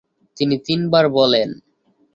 তিনি তিনবার বলেন।